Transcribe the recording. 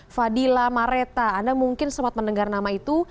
fadila mareta anda mungkin sempat mendengar nama itu